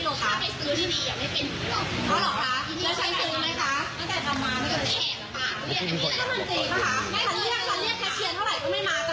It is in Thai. เราเรียกแคลเชียรเท่าไรก็ไม่มานรกตัวเรียกเท่าไรก็ไม่มา